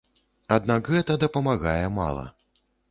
Аднак, гэта дапамагае мала.